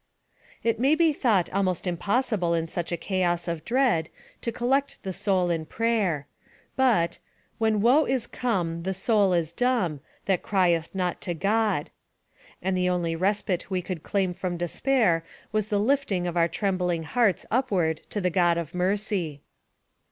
It may be thought almost impossible in such a chaos of dread to collect the soul in prayer, but When woe is come, the soul is dumb That crieth not to God, and the only respite we could claim from despair was the lifting of our trembling hearts upward to the God of mercy.